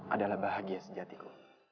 adalah bahagia sejatiku